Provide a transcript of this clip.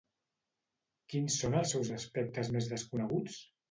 Quins són els seus aspectes més desconeguts?